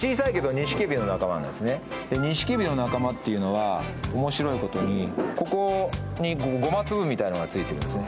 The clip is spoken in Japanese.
ニシキヘビの仲間というのは面白いことに、ここにごま粒みたいなのがついているんですね。